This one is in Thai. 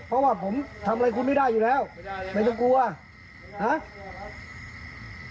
เพราะว่าผมทำอะไรคุณไม่ได้อยู่แล้วไม่ได้ไม่ต้องกลัวไม่ได้ครับ